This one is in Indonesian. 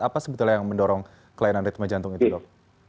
apa sebetulnya yang mendorong kelainan ritme jantung itu dok